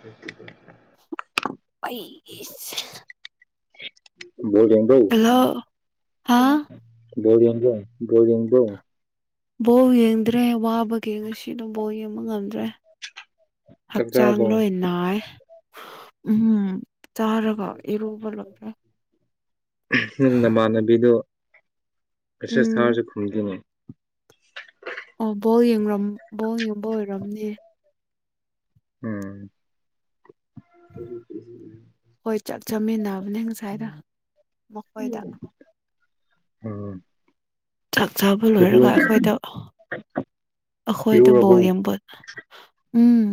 ꯊꯇꯄ ꯄꯩꯤꯁ ꯣꯦꯟꯕꯎ ꯍꯥ ꯣꯗꯤꯗ ꯣꯗꯤꯕꯨ ꯕꯧ ꯌꯦꯡꯗ꯭ꯔꯦ ꯋꯥꯕ ꯌꯦꯡꯉꯁꯤ ꯑꯗꯨꯝ ꯕꯣ ꯌꯦꯡꯕ ꯉꯝꯗ꯭ꯔꯦ ꯆꯥꯛ ꯍꯛꯆꯥꯡ ꯆꯥꯔꯕꯣ ꯂꯣꯏ ꯅꯥꯏ ꯎꯝ ꯆꯥꯔꯒ ꯑꯦꯔꯨꯕ ꯂ꯭ꯔ ꯅꯃꯥꯟꯅꯕꯤꯗꯨ ꯁꯦ ꯏꯁ ꯎꯝ ꯊꯔꯁꯦ ꯨꯨꯝꯇꯅꯦ ꯑꯣ ꯕꯣꯜ ꯕꯣꯜ ꯌꯦꯡꯕ ꯑꯣꯏꯔꯝꯅꯦ ꯎꯝ ꯍꯣꯏ ꯆꯥꯛ ꯆꯥꯃꯤꯟꯅꯕꯅꯦ ꯉꯁꯥꯏꯗ ꯃꯈꯣꯏꯗ ꯎꯝ ꯆꯥꯛ ꯆꯥꯕ ꯏꯔꯨ ꯂꯣꯏꯔꯒ ꯑꯩꯈꯣꯏꯗ ꯑꯩꯈꯣꯏꯗ ꯏꯔꯨꯔꯕꯣ ꯕꯣꯒꯦꯝꯕꯣꯠ ꯎꯝ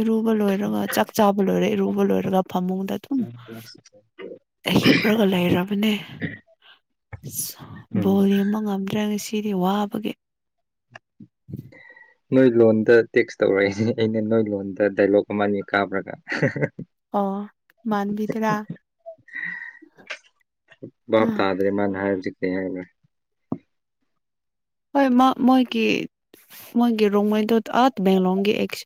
ꯏꯔꯨꯕ ꯂꯣꯏꯔꯒ ꯆꯥꯛ ꯆꯥꯕ ꯂꯣꯏꯔꯦ ꯔꯣꯕ ꯂ ꯑꯣꯏꯔꯒ ꯐꯝꯃꯗ ꯇꯨ ꯑꯩ ꯍꯤꯞꯂꯒ ꯂꯩꯔꯕꯅꯦ ꯎꯝ ꯕꯣꯜ ꯌꯦꯕ ꯉꯝꯗ꯭ꯔꯒ ꯁꯤꯗꯤ ꯋꯥꯕꯒꯤ [unintelligible] [inaudible] [unintelligible] [inaudible] ꯅꯣꯏ ꯂꯣꯟꯗ ꯇꯦꯛꯁ ꯇꯧꯔꯛꯏꯅꯦ ꯑꯩꯅ ꯅꯣꯏ ꯂꯣꯟꯗ ꯗꯥꯏꯂꯣꯛ ꯑꯃ ꯑꯅꯦ ꯀꯥꯕ꯭ꯔꯒ ꯑꯣ ꯏ ꯃꯅꯕꯤꯗꯥ ꯕꯥꯞ ꯍꯣꯏ ꯇꯥꯗꯔꯃꯟ ꯍꯥꯏꯖꯤꯀ ꯍꯥꯏ ꯍꯣꯏ ꯃꯥ ꯃꯥꯦ ꯃꯥꯒꯤꯦ ꯔꯣꯣꯏꯗ ꯑꯇ ꯦꯡꯂꯣꯒꯦ ꯑꯦꯁ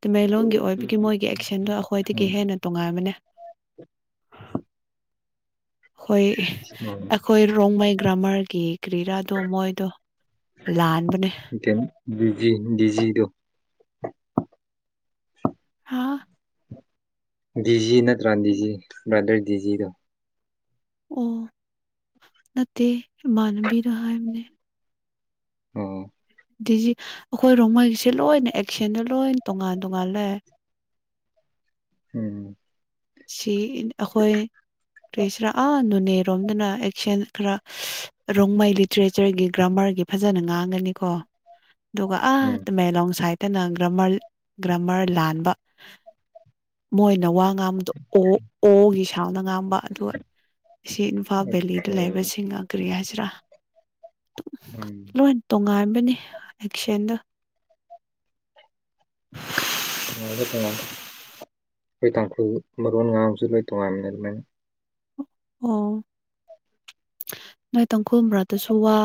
ꯇꯃꯦꯩꯂꯣꯟꯒꯤ ꯑꯣꯏꯕꯒꯤ ꯃꯣꯏꯒꯤ ꯑꯦꯛꯁꯟꯗꯣ ꯑꯩꯈꯣꯏꯗꯒꯤ ꯎꯝ ꯍꯦꯟꯅ ꯇꯣꯉꯥꯏꯕꯅꯦ ꯍꯣꯏ ꯎꯝ ꯑꯩꯈꯣꯏ ꯔꯣꯡꯃꯩ ꯒ꯭ꯔꯥꯃꯔꯒꯤ ꯀ꯭ꯔꯤꯔꯥꯗꯣ ꯃꯣꯏꯗꯣ ꯂꯥꯟꯕꯅꯦ ꯕꯤꯖꯤ ꯗꯤꯖꯤꯗꯨ ꯍꯥꯥ ꯗꯤꯖꯤ ꯅꯠꯇ꯭ꯔꯥ ꯗꯤꯖꯤ ꯕ꯭ꯔꯥꯗꯔ ꯗꯤꯖꯤꯗꯣ ꯑꯣ ꯅꯠꯇꯃꯅꯕꯤ ꯔꯥꯅꯦ ꯑꯣ ꯗꯤꯖꯤ ꯑꯩꯈꯣꯏ ꯔꯣꯡꯃꯩꯒꯤꯁꯦ ꯂꯣꯏꯅ ꯑꯦꯛꯁꯟꯗ ꯂꯣꯏꯅ ꯇꯣꯉꯥꯟ ꯇꯣꯉꯥꯟ ꯂꯩ [unintelligible] [inaudible] ꯍꯝ ꯁꯤ ꯑꯩꯈꯣꯏ ꯀꯔꯤꯁꯔꯑ ꯅꯅꯦ ꯔꯣꯝꯗꯅ ꯑꯦꯛꯁꯟ ꯈꯔ ꯔꯣꯡꯃꯩ ꯂꯤꯇꯔꯦꯆꯔꯒꯤ ꯒ꯭ꯔꯥꯃꯔꯒꯤ ꯐꯖꯅ ꯉꯥꯡꯒꯅꯤꯀꯣ ꯑꯗꯨꯒꯒ ꯎꯝ ꯑ ꯃ ꯂꯣꯡ ꯁꯥꯥꯏ ꯈꯦꯛꯇꯅ ꯒ꯭ꯔꯃꯔ ꯒ꯭ꯔꯃꯔ ꯂꯥꯟꯕ ꯃꯣꯏꯅ ꯋꯥ ꯉꯥꯡꯕꯗꯣ ꯑꯣ ꯑꯣꯒꯤ ꯁꯥꯎꯅ ꯉꯥꯝꯕ ꯑꯗꯨꯒ ꯑꯁꯤ ꯏꯝꯐꯥꯜ ꯑꯣꯀꯦ ꯕꯦꯂꯤꯗ ꯂꯩꯕꯁꯤꯡ ꯑꯒ꯭ꯔꯤ ꯍꯥꯏꯖꯔꯥ ꯎꯝ ꯂꯣꯏ ꯇꯣꯡꯉꯥꯏ ꯕꯅꯤ ꯑꯦꯗ ꯊ ꯀꯃ ꯑꯩꯈꯣꯏ ꯇꯥꯡꯈꯨ ꯃꯔꯣꯟ ꯉꯥꯡꯁꯨ ꯂꯣꯏ ꯇꯣꯉꯥꯏꯃꯤꯅꯦ ꯂꯣꯏꯅ ꯑꯣ ꯅꯣꯏ ꯇꯥꯡꯈꯨꯜꯕ꯭ꯔꯥꯗꯁꯨ ꯋꯥ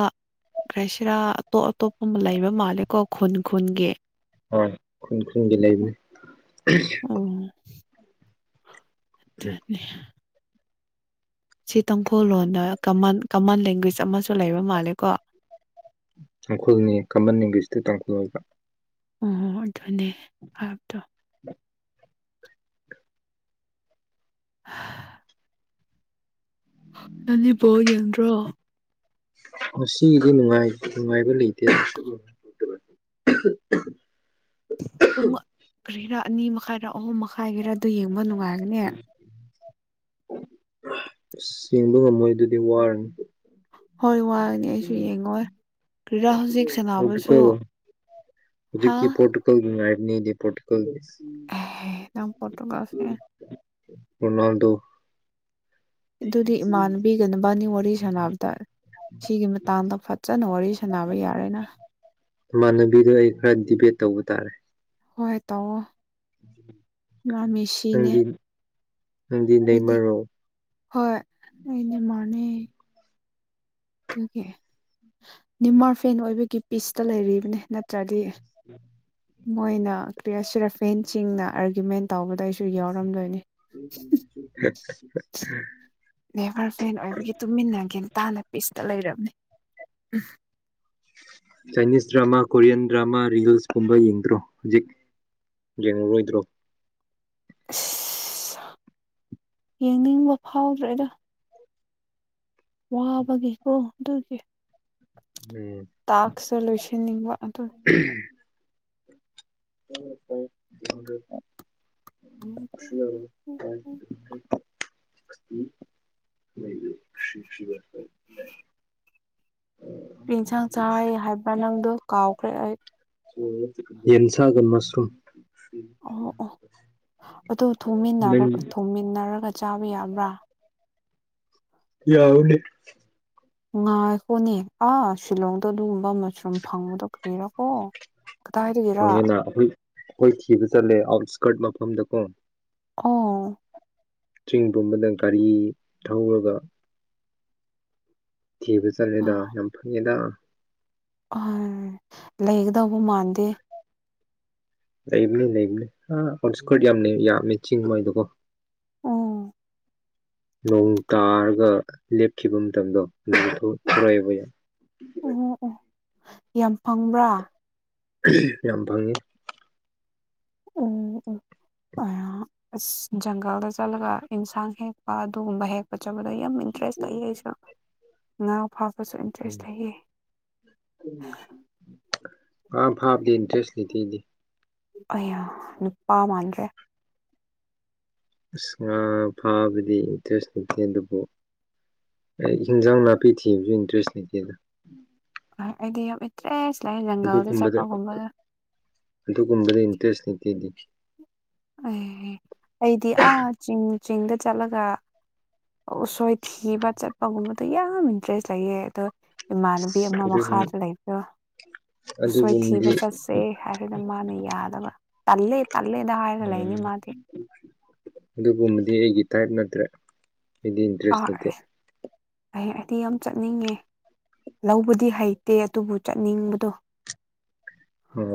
꯭ꯔꯥꯏꯁꯤꯔꯥ ꯑꯇꯣꯞ ꯑꯇꯣꯞꯄ ꯑꯃ ꯂꯩꯕ ꯃꯥꯜꯂꯦꯀꯣ ꯈꯨꯟ ꯈꯨꯟꯒꯤ ꯑ ꯈꯨꯟ ꯈꯨꯨꯝꯒꯤ ꯂꯩꯕ ꯑꯗꯨꯅꯤ ꯁꯤ ꯇꯥꯡꯈꯨꯜꯂꯣꯟꯣꯟꯗ ꯀꯃꯟ ꯀꯃꯟ ꯂꯦꯡꯒ꯭ꯋꯦꯖ ꯑꯃꯁꯨ ꯂꯩꯕ ꯃꯥꯜꯂꯦꯀꯣ ꯇꯥꯡꯈꯨꯜꯅꯤ ꯀꯃꯟ ꯏꯡꯒꯦꯁꯇ ꯇꯥꯡꯈꯨꯜ ꯑꯣꯏꯕ ꯑꯣ ꯑꯗꯨꯅꯦ ꯍꯥꯏꯕꯗ [unintelligible] ꯅꯅꯤꯕꯣ ꯌꯦꯟ꯭ꯔꯣ ꯉꯒꯤꯗꯤ ꯅꯨꯡꯉꯥꯏꯕ ꯂꯩꯇꯦ ꯄꯨꯡꯔꯥ ꯑꯅꯤ ꯃꯈꯥꯏꯗꯔ ꯑꯍꯨꯝ ꯃꯈꯥꯏꯘꯔꯥ ꯑꯗꯨ ꯌꯦꯡꯕ ꯅꯨꯡꯉꯥꯏꯒꯅꯦ ꯆꯤꯡꯕ ꯉꯝꯃꯣꯏ ꯑꯗꯨꯗꯤ ꯋꯥꯔꯅꯤ ꯍꯣꯏ ꯋꯥꯅꯤ ꯑꯩꯁꯨ ꯌꯦꯡꯉꯣꯏ ꯀꯔꯤꯔꯥ ꯍꯧꯖꯤꯛ ꯄꯣꯔꯇꯨꯒꯣ ꯁꯥꯟꯅꯕꯁꯨ ꯍꯥ ꯍꯧꯖꯤꯛꯀꯤ ꯄꯣꯣꯔꯇꯨꯒꯜꯥꯏꯅꯤꯗꯤ ꯄꯣꯣꯔꯇꯨꯒꯜ ꯅꯝꯄꯨꯔ ꯔꯣꯅꯥꯜꯗꯣ ꯏꯗꯨꯗꯤ ꯏꯃꯥꯟꯕꯤꯒꯟꯕꯥꯅꯤ ꯋꯥꯔꯤꯔꯤ ꯁꯥꯟꯅꯕꯗ ꯁꯤꯒꯤ ꯃꯇꯥꯡꯗ ꯐꯖꯅ ꯋꯥꯔꯤ ꯁꯥꯟꯅꯕ ꯌꯥꯔꯦꯅ ꯏꯃꯥꯟꯅꯕꯤꯗꯣ ꯑꯩ ꯈꯔ ꯗꯤꯕꯦꯠ ꯇꯧꯕ ꯇꯥꯔꯦ ꯍꯣꯏ ꯇꯥꯛꯑꯣꯣ ꯃꯥꯝꯃꯤ ꯁꯤꯅꯦ ꯅꯪꯗꯤ ꯅꯪꯗꯤ ꯑꯩꯗꯤ ꯅꯦꯃꯔꯔꯣ ꯍꯣꯏ ꯑꯩꯗꯤ ꯃꯥꯅ ꯑꯗꯨꯒꯤ ꯅꯤꯃꯥꯔ ꯐꯦꯟ ꯑꯣꯏꯕꯒꯤ ꯄꯤꯁꯇ ꯂꯩꯔꯤꯕꯅꯦ ꯅꯠꯇ꯭ꯔꯗꯤ ꯎꯝ ꯃꯣꯏꯅ ꯀ꯭ꯔꯤꯌꯥꯁꯤꯔꯐꯦꯟꯁꯤꯡꯅ ꯑꯥꯔꯒꯌꯨꯃꯦꯟ ꯇꯧꯕꯗ ꯑꯩꯁꯨ ꯌꯥꯎꯔꯝꯗꯣꯏꯅꯤ [unintelligible] ꯅꯦꯚꯔ ꯐꯦꯟ ꯑꯣꯏꯕꯒꯤ ꯇꯨꯃꯤꯟꯅꯒꯦ ꯇꯅ ꯄꯤꯁꯇ ꯂꯩꯔꯕꯅꯦ ꯎ Chinese drama Korean drama reels ꯀꯨꯝꯕ ꯌꯦꯡꯗ꯭ꯔꯣ ꯍꯧꯖꯤꯛ ꯌꯦꯡꯉꯨꯔꯣꯏꯗ꯭ꯔꯣ [unintelligible] ꯌꯦꯡꯅꯤꯡꯕ ꯐꯥꯎꯗ꯭ꯔꯦꯗ ꯋꯥꯕꯒꯤꯦꯀꯣ ꯑꯗꯨꯒꯤ ꯎꯝ ꯇꯥꯛꯁꯨ ꯂꯣꯏꯁꯤꯟꯅꯤꯡꯕ ꯑꯗꯨ ꯀ [unintelligible] ꯁꯤꯕ ꯌꯦꯟꯁꯥꯡ ꯆꯥꯏ ꯍꯥꯏꯕ ꯅꯪꯗꯣ ꯀꯥꯎꯈ꯭ꯔꯦ ꯑꯩ ꯌꯦꯟꯁꯒꯔ ꯃꯁꯔꯨꯝ ꯑꯣ ꯑꯣ ꯑꯗꯨ ꯊꯣꯡꯃꯤꯟꯅꯕ ꯅꯪ ꯊꯣꯡꯃꯤꯟꯅꯔꯒ ꯆꯥꯕ ꯌꯥꯕ꯭ꯔꯥ ꯌꯥ ꯍꯅꯤ ꯉꯥꯏꯈꯣꯅꯦ ꯑꯥ ꯁꯤꯂꯣꯡꯗꯣ ꯑꯗꯨꯒꯨꯝꯕ ꯃꯁꯔꯨꯝ ꯐꯪꯕꯗ ꯐꯪꯉꯦꯅ ꯑꯩꯈꯣꯏ ꯑꯩꯈꯣꯏ ꯊꯤꯕ ꯆꯠꯂꯦ ꯑꯥꯎꯠꯁꯀꯔꯠ ꯃꯐꯝꯗ ꯀꯣ ꯑꯣ ꯆꯤꯡ ꯄꯨꯝꯕꯗ ꯒꯥꯔꯤ ꯊꯧꯔꯒ ꯊꯤꯕ ꯆꯠꯂꯦꯗ ꯌꯥꯝ ꯐꯪꯉꯦꯗ ꯑ ꯂꯩꯀꯗꯕ ꯃꯥꯥꯟꯗ ꯂꯩꯕꯅꯤ ꯂꯩꯕꯅꯦ ꯑꯥꯎꯠ ꯏꯁꯀꯣꯔ ꯌꯥꯝ ꯌꯥꯝꯃꯦ ꯆꯤꯡ ꯃꯣꯏꯗꯀꯣ ꯎꯝ ꯅꯣꯡ ꯇꯥꯔꯒ ꯂꯦꯞꯈꯤꯕ ꯃꯇꯝꯗꯣ ꯑꯗꯨꯂꯣꯏꯑꯕ ꯌꯥꯏ ꯎꯍꯣ ꯑꯣ ꯌꯥꯝ ꯐꯪꯕ꯭ꯔꯥ ꯌꯥꯝ ꯐꯪꯉꯤ ꯎ ꯑ ꯪꯒꯜꯗ ꯆꯂꯒ ꯏꯟꯁꯥꯟ ꯍꯦ ꯑꯗꯨꯒꯨꯝꯕ ꯍꯦꯛꯄ ꯆꯠꯄꯗꯣ ꯌꯥꯝ ꯏꯟꯇꯔꯦꯁ ꯂꯩ ꯑꯩꯁꯨ ꯉ ꯐꯥꯕꯁꯨ ꯏꯟꯇꯔꯦꯁ ꯂꯩꯌꯦ ꯃꯥ ꯐꯥꯕꯗꯦ ꯏꯟꯇꯔꯦꯁ ꯂꯩꯇꯦꯗꯤ ꯑ ꯅꯨꯄꯥ ꯃꯥꯟꯗ꯭ꯔꯦ ꯑꯁ ꯉꯥ ꯐꯥꯕꯗꯤ ꯏꯟꯇꯔꯦꯁ ꯂꯩꯇꯦ ꯑꯗꯨꯕꯨ ꯑꯩ ꯌꯦꯟꯖꯥꯡ ꯅꯥꯄꯤ ꯊꯤꯕꯁꯨ ꯏꯟꯇꯔꯦꯁ ꯂꯩꯇꯦꯗ ꯍ ꯑꯩꯗꯤ ꯌꯥꯝ ꯏꯇ꯭ꯔꯦ ꯁꯤꯂꯥꯏ ꯖꯪꯒꯜꯗ ꯑꯗꯨꯒꯨꯝꯕꯗ ꯆꯠꯄꯒꯨꯝꯕꯗ ꯑꯗꯨꯒꯨꯝꯕꯗ ꯏꯟꯇꯔꯦꯁ ꯅꯇꯦꯗꯤ ꯑꯦ ꯑꯩꯗꯤ ꯑꯥ ꯆꯤꯡꯗ ꯆꯠꯂꯒ ꯎꯁꯣꯏꯊꯤꯕ ꯆꯠꯄꯒꯨꯝꯕꯗꯣ ꯌꯥꯝ ꯏꯟꯇꯔꯦꯁ ꯂꯩꯌꯦ ꯑꯗꯣ ꯏꯃꯥꯟꯅꯕꯤ ꯑꯃ ꯑꯗꯨꯒꯨꯝ ꯃꯈꯥꯗ ꯂꯩꯕꯤꯔꯣ ꯎꯁꯣꯏꯊꯤꯕ ꯑꯗꯨꯒꯨꯝꯕꯗꯤ ꯆꯠꯁꯦ ꯍꯥꯏꯔꯅ ꯃꯥꯅ ꯌꯥꯗꯕ ꯇꯜꯦ ꯇꯂꯦꯗ ꯍꯥꯏꯔꯂ ꯏꯅꯤ ꯃꯥꯇꯦ ꯑꯗꯨꯒꯨꯝꯕꯗꯤ ꯑꯩꯒꯤ ꯇꯥꯏꯞ ꯅꯠꯇ꯭ꯔꯦ ꯑꯩꯗꯤ ꯏꯟꯇꯔꯦꯁ ꯂꯩꯇꯦ ꯇꯤ ꯌꯥꯝ ꯆꯠꯅꯤꯡꯉꯦ ꯂꯧꯕꯗꯤ ꯍꯩꯇꯦ ꯑꯗꯨꯕꯨ ꯆꯠꯅꯤꯡꯕꯗꯣ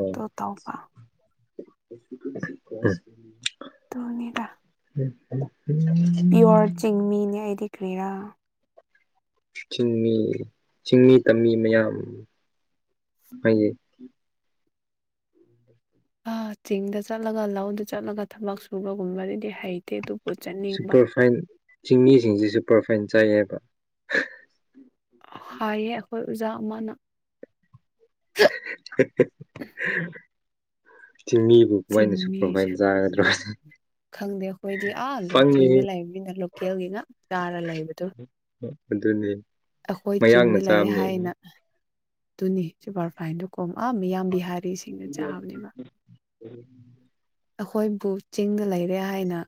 ꯑꯗꯨ ꯇꯧꯕ ꯇꯣꯅꯤꯗꯥ ꯎꯝ ꯄꯤꯌꯣꯔ ꯆꯤꯡꯃꯤ ꯅ꯭ꯏꯗꯤ ꯀ꯭ꯔꯤꯔꯥ ꯆꯤꯡꯃꯤ ꯆꯤꯡꯃꯤ ꯇꯝꯃꯤ ꯃꯌꯥꯝ ꯍꯥꯏ ꯑ ꯆꯤꯡꯗ ꯆꯠꯂꯒ ꯂꯧꯗ ꯆꯠꯂꯒ ꯊꯕꯛ ꯁꯨꯕꯒꯨꯝꯕꯗꯤꯗꯤ ꯍꯩꯇꯦ ꯑꯗꯨ ꯁꯨꯄꯔꯐꯥꯏꯟ ꯆꯤꯡꯃꯤꯁꯤꯡꯁ ꯁꯨꯄꯔꯐꯥꯏꯟ ꯆꯥꯏꯌꯦꯕ ꯍꯥꯏꯌꯦ ꯑꯩꯈꯣꯏ ꯑꯣꯖꯥ ꯑꯃꯅ [unintelligible] ꯆꯤꯡꯃꯤꯕꯨ ꯀꯃꯥꯏꯅ ꯁꯨꯄꯔꯐꯥꯏꯟ ꯁꯤꯁꯤꯡꯃꯤꯁ ꯆꯥꯒꯗ꯭ꯔꯣ ꯈꯪꯗꯦ ꯑꯩꯈꯣꯏꯗꯤ ꯑꯥ ꯄꯪꯉꯤ ꯆꯤꯡꯅ ꯂꯩꯕꯅꯤꯅ ꯂꯣꯀꯦꯜꯒꯤꯅ ꯆꯥꯔ ꯂꯩꯕꯗꯣ ꯑꯗꯨꯅꯤ ꯑꯩꯈꯣꯏ ꯃꯌꯥꯡꯅ ꯆꯤꯡꯅ ꯂꯩ ꯆꯥꯕꯅꯤ ꯍꯥꯏꯅ ꯑꯗꯨꯅꯤ ꯁꯨꯄꯔꯐꯥꯏꯟꯗꯣ ꯀꯣꯝ ꯑꯥ ꯃꯤꯌꯥꯝ ꯕꯤꯍꯥꯔꯤꯁꯤꯡꯅ ꯆꯥꯕꯅꯦꯕ ꯎꯝ ꯑꯩꯈꯣꯏꯕꯨ ꯆꯤꯡꯗ ꯂꯩꯔꯦ ꯍꯥꯏꯅ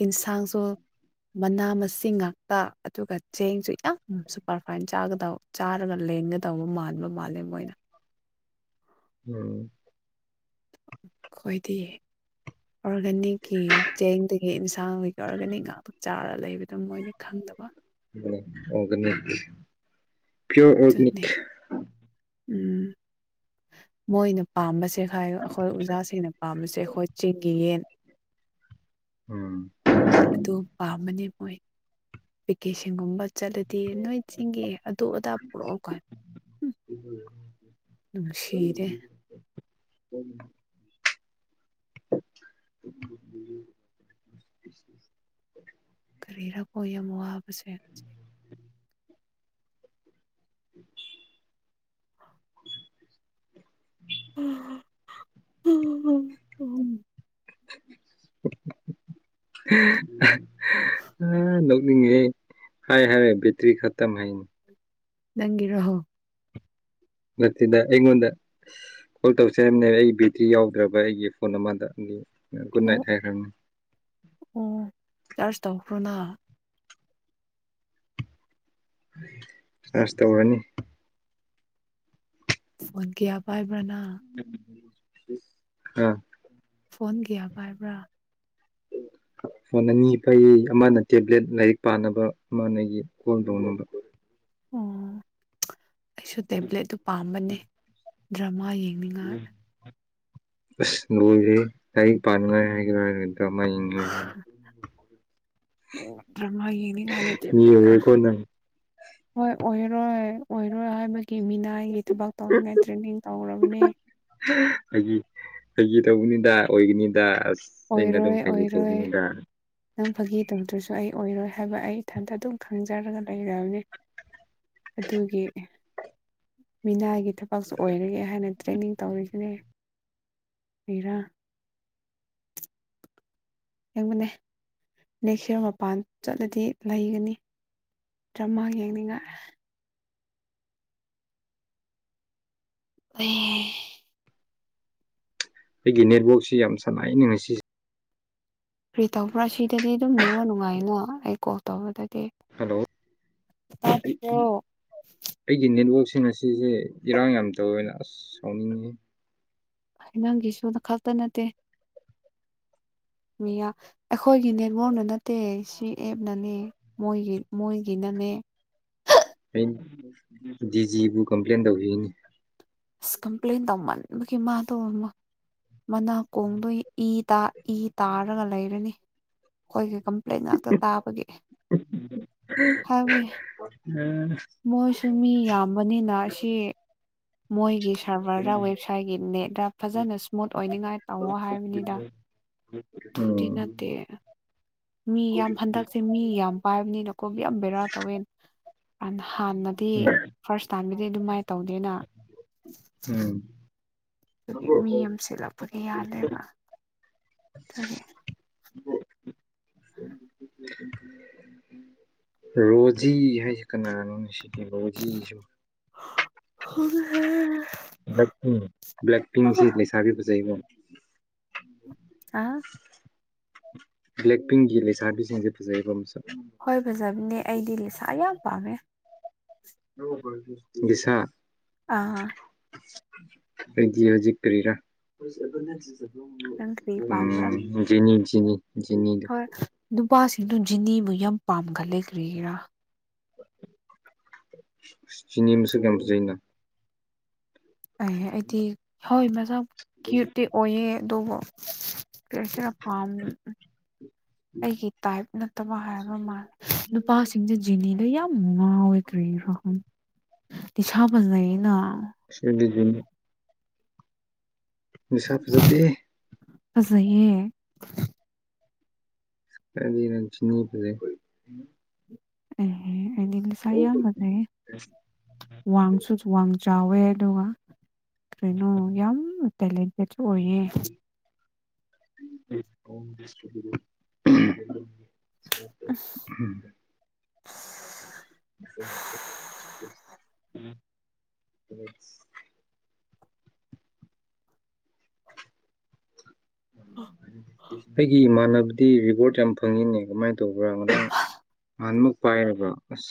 ꯌꯦꯟꯁꯥꯡꯁꯨ ꯃꯅꯥ ꯃꯁꯤꯡ ꯉꯥꯛꯇ ꯑꯗꯨꯒ ꯆꯦꯡꯁꯨ ꯌꯥꯝ ꯁꯨꯄꯔꯐꯥꯏꯟ ꯆꯥꯒꯗꯕ ꯆꯥꯔꯒ ꯂꯦꯡꯒ ꯇꯧꯕ ꯃꯥꯟꯕ ꯃꯥꯜꯂꯦ ꯃꯣꯏꯅ ꯎꯝ ꯈꯣꯏꯗꯌꯦ ꯑꯣꯔꯒꯥꯅꯤꯛꯀꯤ ꯆꯦꯡꯗꯒꯤ ꯑꯦꯟꯁꯥꯡꯒꯤ ꯑꯣꯔꯒꯥꯅꯤꯛ ꯉꯥꯛꯇ ꯆꯥꯔꯒ ꯂꯩꯕꯗ ꯃꯣꯏꯅ ꯈꯪꯗꯕ ꯑꯣꯔꯒꯅꯤ ꯄꯤꯌꯣꯔ ꯑꯣꯔꯒꯅꯤ ꯑꯗꯨꯅꯦ ꯎꯝ ꯃꯣꯏꯅ ꯄꯥꯝꯕꯁ ꯆꯦꯛꯈꯥꯏ ꯑꯩꯈꯣꯏ ꯑꯣꯖꯥꯁꯤꯡꯅ ꯄꯥꯝꯕꯁꯦ ꯑꯩꯈꯣꯏ ꯆꯤꯡꯒꯤ ꯌꯦꯟ ꯎꯝ ꯑꯗꯨ ꯄꯥꯝꯕꯅꯤ ꯃꯣꯏ ꯚꯦꯀꯦꯁꯟꯒꯨꯝꯕ ꯆꯠꯂꯗꯤ ꯅꯣꯏ ꯆꯤꯡꯒꯤ ꯑꯗꯨ ꯑꯗꯥ ꯄꯨꯔꯛꯑꯣꯀ ꯎꯝ ꯅꯨꯡꯁꯤꯔꯦ ꯎꯝ [inaudible] ꯁꯔꯤꯔꯀꯣ ꯌꯥꯝ ꯃꯋꯥꯕꯁ [inaudible] [inaudible] ꯑꯥ ꯍꯥꯏ ꯍꯥꯏ ꯕꯇꯔꯤ ꯈꯇꯝ ꯍꯥꯏ ꯅꯪꯒꯤꯔꯍꯣ ꯅꯠꯇꯗ ꯌꯦꯉꯣꯟꯗ ꯀꯣꯜ ꯇꯧꯖꯝꯅꯦ ꯑꯩ ꯕꯦꯇ꯭ꯔꯤ ꯌꯥꯎꯗ꯭ꯔꯕ ꯑꯩꯒꯤ ꯐꯣꯟ ꯑꯃꯗ ꯒꯨꯗ ꯅꯥꯏꯠ ꯍꯥꯏꯈ꯭ꯔꯕꯅꯦ ꯑꯣ ꯆꯥꯔꯖ ꯇꯧꯈ꯭ꯔꯣꯅ ꯆꯁ ꯇ ꯑꯣꯏꯅꯤ ꯐꯣꯟ ꯀꯌꯥ ꯄꯥꯏ ꯑꯥ ꯐꯣꯟꯒꯌꯥ ꯀꯥꯏꯕ꯭ꯔꯥ ꯐꯣꯟ ꯑꯅꯤ ꯐꯩ ꯑꯃꯅ ꯇꯦꯕ꯭ꯂꯦꯠ ꯂꯥꯏꯔꯤꯛ ꯄꯥꯅꯕ ꯑꯃꯅꯒꯤ ꯀꯣꯜ ꯇꯧꯅꯕ ꯑꯣ ꯑꯩꯁꯨ ꯇꯦꯕ꯭ꯂꯦꯠꯇꯨ ꯄꯥꯝꯕꯅꯦ ꯗ꯭ꯔꯃꯥ ꯌꯦꯡꯉ ꯁꯦ ꯀ ꯄꯥꯥꯟ ꯉ ꯍꯥꯏ ꯀꯃꯥꯏꯉ ꯗ꯭ꯔꯃꯌꯦꯅꯤ ꯃꯤ ꯂꯗꯦꯇꯅꯦꯗ ꯑꯣꯏꯔꯦꯀꯣ ꯅꯪ ꯍꯣꯏ ꯑꯣꯏꯔꯣꯏ ꯑꯣꯏꯔꯣꯏ ꯍꯥꯏꯕꯒꯤ ꯃꯤꯅꯥꯏꯒꯤ ꯊꯕꯛ ꯇꯧꯅꯤꯡꯉꯥꯏ ꯇ꯭ꯔꯦꯅꯤꯡ ꯇꯧꯔꯕꯅꯦ ꯑꯩꯒꯤ ꯑꯩꯒꯤ ꯇꯧꯕꯅꯤꯗ ꯑꯣꯏꯒꯅꯤꯗ ꯑꯩꯅ ꯑꯗꯨꯝ ꯑꯣꯏꯔꯣꯏ ꯐꯩꯒ ꯑꯣꯏꯔꯣꯏ ꯇꯧꯕꯅꯤꯗ ꯅꯪ ꯐꯥꯒꯤ ꯗꯧꯇ꯭ꯔꯁꯨ ꯑꯩ ꯑꯣꯏꯔꯣꯏ ꯍꯥꯏꯕ ꯑꯩ ꯏꯊꯟꯇ ꯑꯗꯨꯝ ꯈꯪꯖꯔꯒ ꯂꯩꯕꯅꯤ ꯑꯗꯨꯒꯤ ꯃꯤꯅꯥꯒꯤ ꯊꯕꯛꯁꯨ ꯑꯣꯏꯔꯒꯦ ꯍꯥꯏꯅ ꯇ꯭ꯔꯦꯅꯤꯡ ꯇꯧꯔꯤꯁꯤꯅꯦ ꯏꯔꯥ ꯌꯦꯡꯕꯅꯦ ꯅꯦꯛꯁ ꯏꯔ ꯃꯄꯥꯟ ꯆꯠꯂꯗꯤ ꯂꯩꯒꯅꯤ ꯗ꯭ꯔꯃꯥ ꯌꯦꯡꯅꯤꯡꯉ ꯑꯩ ꯑꯩꯈꯣꯏꯒꯤ ꯅꯦꯠꯋꯥꯛꯁꯤ ꯌꯥꯝ ꯁꯅꯏꯅꯤ ꯉꯁꯤꯦ ꯀꯔꯤ ꯇꯧꯕ꯭ꯔꯥ ꯁꯤꯗꯗꯤ ꯑꯗꯨꯝ ꯌꯦꯅꯤꯉꯣ ꯅꯨꯡꯉꯥꯏꯅꯣ ꯑꯩ ꯀꯣꯜ ꯇꯧꯗ ꯍꯜꯂꯣ ꯑꯩꯒꯤ ꯅꯦꯠꯋ ꯑꯁꯤꯅꯁꯤꯁꯦ ꯏꯔꯥꯡ ꯌꯥꯝ ꯇ ꯑꯣꯏꯅ ꯑꯁ ꯁꯥꯎꯅꯤꯡꯉꯤ ꯅꯪꯒꯤꯁꯨꯗ ꯈꯛꯇ ꯅꯠꯇꯦ ꯃꯤ ꯑꯩꯈꯣꯏꯒꯤ ꯅꯦꯠꯋꯔꯥꯛꯛꯅ ꯅꯠꯇꯦ ꯁꯤ ꯑꯦꯞꯅꯅꯦ ꯃꯣꯏꯒꯤ ꯃꯣꯏꯒꯤꯅ ꯃ [unintelligible] ꯖꯤꯖꯤꯕꯨ ꯀꯝꯄ꯭ꯂꯦꯟ ꯇꯧꯁꯤꯅꯤ ꯑꯁ ꯀꯝꯄ꯭ꯂꯦꯟ ꯇꯧꯃꯟꯕꯒꯤ ꯃꯥꯗꯣ ꯑꯃ ꯃꯅꯥ ꯀꯣꯡꯗꯣꯏ ꯏ ꯏ ꯇꯥꯔꯒ ꯂꯩꯔꯅꯤ ꯑꯩꯈꯣꯏ ꯀꯩꯝ ꯂꯩꯅꯥꯛꯇ ꯇꯥꯕꯒꯤ ꯍꯥꯏꯕꯤ ꯎꯝ ꯃꯣꯏꯁꯨ ꯃꯤ ꯌꯥꯝꯕꯅꯤꯅ ꯁꯤ ꯃꯣꯏꯒꯤꯁꯨ ꯁꯔꯚꯔꯗ ꯋꯦꯕꯁꯥꯏꯠꯀꯤ ꯅꯦꯠꯇ ꯐꯖꯅ ꯁ꯭ꯃꯨꯠ ꯑꯣꯏꯅꯤꯡꯉꯥꯏ ꯇꯧꯋꯣ ꯍꯥꯏ [inaudible] ꯊꯨꯗꯤꯅꯥ ꯇ ꯃꯤ ꯌꯥꯝ ꯍꯟꯗꯛꯁꯦ ꯃꯤ ꯌꯥꯝ ꯄꯥꯏꯕꯅꯤꯅ ꯀꯣꯕꯤ ꯌꯥꯝ ꯕꯦꯔꯥ ꯇꯧꯋꯦ ꯍꯥꯟꯅꯗꯤ ꯎꯝ ꯐꯥꯔꯁ ꯇꯥꯏꯝꯒꯤꯗꯤ ꯑꯗꯨꯃꯥꯏꯅ ꯇꯧꯅꯤꯦꯅ ꯎꯝ ꯑꯗꯨꯒꯤ ꯃꯤ ꯑꯃ ꯁꯤꯦꯠꯂꯛꯄꯒꯤ ꯌꯥꯜꯂꯦꯕ ꯇꯨꯒꯦ ꯔꯣꯖꯤ ꯍꯥꯏꯁꯤ ꯀꯅꯥꯔꯅꯣ ꯁꯤ ꯍꯧꯕꯨꯖꯤꯁꯨ ꯍ ꯍ ꯕ꯭ꯂꯦꯛ ꯄꯤꯡ ꯕ꯭ꯂꯦꯛ ꯄꯤꯡꯁꯤ ꯂꯩꯁꯥꯕꯤꯕꯖꯩꯕꯣ ꯑꯥ ꯕ꯭ꯂꯦꯛ ꯄꯤꯤꯡ ꯌꯦ ꯂꯩ ꯁꯥꯕꯤꯁꯖ ꯐꯁꯕ ꯑꯃꯁꯁ ꯍꯣꯏ ꯐꯖꯕꯤꯅꯦ ꯑꯩꯗꯤ ꯂꯩꯁꯥ ꯌꯥꯝ ꯄꯥꯝꯃꯦ ꯕꯤꯁꯥ ꯑꯥ ꯐꯖꯤ ꯍꯧꯖꯤ ꯀꯔꯤꯔ ꯅꯪ ꯀꯥꯔꯦ ꯄꯥꯝꯕꯔꯥ ꯖꯤꯅꯤ ꯖꯤꯅꯤꯗꯣ ꯍꯣꯏ ꯅꯨꯄꯥꯁꯤꯡꯗꯨ ꯖꯤꯅꯤꯕꯨ ꯌꯥꯝ ꯄꯥꯝꯒ ꯂꯩꯈ꯭ꯔꯤꯒꯔꯥ ꯁꯤꯅꯤꯃꯤꯁꯨ ꯀꯦꯝꯖꯅ [unintelligible] ꯑꯩꯗꯤ ꯍꯥꯎꯏ ꯃꯁ ꯀ꯭ꯌꯨꯠꯇꯤ ꯑꯣꯏꯌꯦ ꯑꯗꯨꯕꯨ ꯀꯁꯤꯔ ꯐꯥꯝ ꯑꯩꯒꯤ ꯇꯥꯏꯞ ꯅꯠꯇꯕ ꯍꯥꯏꯕ ꯃꯥꯜꯂꯦ ꯅꯨꯄꯥꯁꯤꯡꯁꯦ ꯖꯤꯅꯤꯗꯣ ꯌꯥꯝ ꯉꯥ ꯑꯣꯏꯗ꯭ꯔꯔꯤꯜ ꯏꯁꯥ ꯐꯖꯩꯌꯦꯩꯅ ꯁꯤꯒꯤꯖ ꯅꯤꯁꯥ ꯐꯖꯥꯇ ꯑ ꯆꯍꯤ ꯀꯗꯤ [unintelligible] ꯑꯦ ꯑꯂꯁ ꯌꯥ ꯃꯖꯦ ꯋꯥꯁꯨ ꯋꯥ ꯆꯥꯎꯋꯦ ꯑꯗꯨꯒ ꯀꯩꯅꯣ ꯌꯥꯝ ꯇꯦꯂꯦꯟꯇꯦꯠꯁꯨ ꯑꯣꯏꯌꯦ [inaudible] ꯝ [inaudible] [inaudible] ꯎꯝ [unintelligible] ꯑꯩꯒꯤ ꯏꯃꯥꯟꯅꯕꯗꯤ ꯔꯤꯋꯥꯔꯠ ꯌꯥꯝ ꯐꯪꯉꯤꯅꯦ ꯀꯃꯥꯏꯅ ꯇꯧ ꯇꯧꯕ꯭ꯔꯥ ꯉ ꯅꯍꯥꯟꯃꯨ ꯄꯥꯏꯔꯕ꯭ꯔ ꯑꯁ